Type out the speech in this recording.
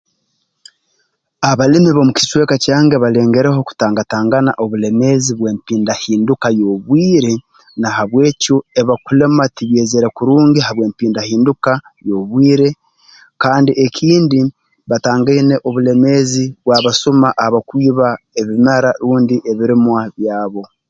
Abalimi b'omu kicweka kyange balengereho kutangatangana obulemeezi bw'empindahinduka y'obwire na habw'ekyo ebi bakulima tibyezere kurungi habw'empindahinduka y'obwire kandi ekindi batangaine obulemeezi bw'abasuma abakwiba ebimera rundi ebirimwa byabo